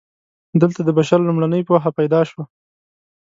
دلته د بشر لومړنۍ پوهه پیدا شوه.